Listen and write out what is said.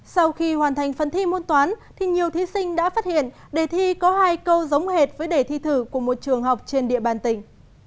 sau khi hoàn thành phần thi môn toán thì nhiều thí sinh đã phát hiện đề thi có hai câu giống hệt với đề thi thử của một trường học trên địa bàn tỉnh